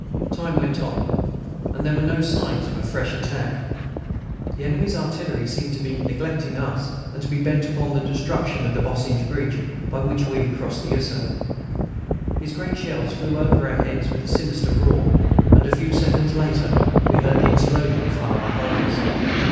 Time went on, and there were no signs of a fresh attack. The enemy's artillery seemed to be neglecting us, and to be bent upon the destruction of the Boesinghe bridge, by which we had crossed the Yser. His great shells flew over our heads with a sinister roar, and a few seconds later we heard the explosion far behind us.